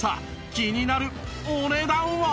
気になるお値段は？